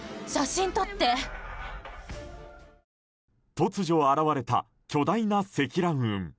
突如現れた巨大な積乱雲。